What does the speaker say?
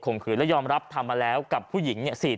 ข่มขืนแล้วยอมรับทำมาแล้วกับผู้หญิง